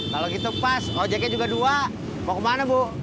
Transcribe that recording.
kalau gitu pas ojeknya juga dua mau kemana bu